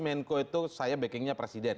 menko itu saya backingnya presiden